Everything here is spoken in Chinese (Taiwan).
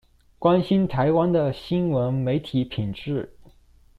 關心台灣的新聞媒體品質